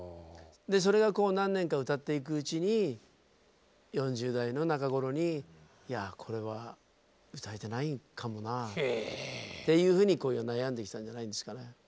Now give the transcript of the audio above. それがこう何年か歌っていくうちに４０代の中頃にいやこれは歌えてないかもなっていうふうにこう悩んできたんじゃないんですかね。